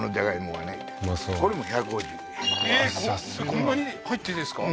こんなに入ってですか？